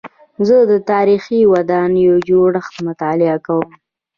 زه د تاریخي ودانیو جوړښت مطالعه کوم.